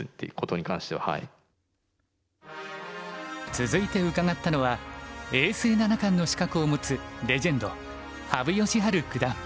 続いて伺ったのは永世七冠の資格を持つレジェンド羽生善治九段。